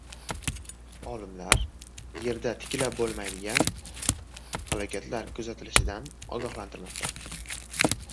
Olimlar Yerda tiklab bo‘lmaydigan halokatlar kuzatilishidan ogohlantirmoqda